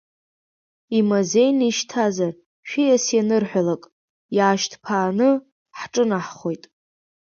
Имазеины ишьҭазар, шәиас анырҳәалак, иаашьҭԥааны ҳҿынаҳхоит…